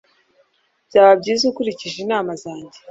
Byaba byiza ukurikije inama zanjye